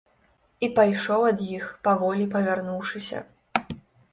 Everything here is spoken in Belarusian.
І пайшоў ад іх, паволі павярнуўшыся.